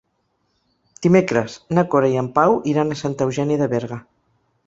Dimecres na Cora i en Pau iran a Santa Eugènia de Berga.